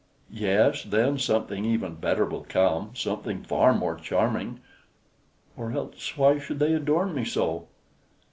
Yes, then something even better will come, something far more charming, or else why should they adorn me so?